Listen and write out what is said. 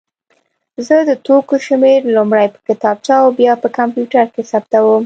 زه د توکو شمېر لومړی په کتابچه او بیا په کمپیوټر کې ثبتوم.